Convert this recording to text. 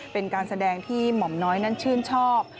เป็นการแสดงที่หม่อมน้อยนั้นชื่นชอบ